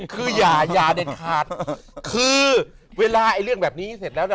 คืออย่าเด็ดขาดคือเวลาไอ้เรื่องแบบนี้เสร็จแล้วนะ